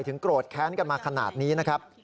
โกรธแค้นกันมาขนาดนี้นะครับ